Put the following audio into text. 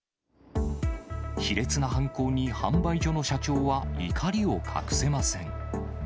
卑劣な犯行に、販売所の社長は怒りを隠せません。